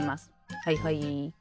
はいはい。